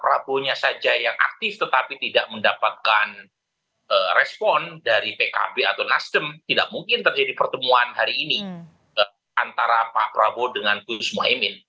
prabowonya saja yang aktif tetapi tidak mendapatkan respon dari pkb atau nasdem tidak mungkin terjadi pertemuan hari ini antara pak prabowo dengan gus mohaimin